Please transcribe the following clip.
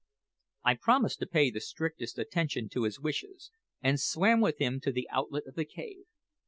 "I promised to pay the strictest attention to his wishes, and swam with him to the outlet of the cave.